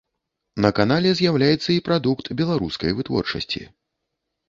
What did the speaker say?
На канале з'яўляецца і прадукт беларускай вытворчасці.